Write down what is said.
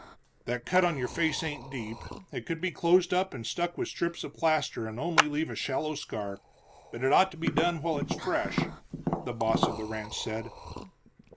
"That cut on your face ain't deep, it could be closed up and stuck with strips of plaster and only leave a shallow scar, but it ought to be done while it's fresh," the boss of the ranch said.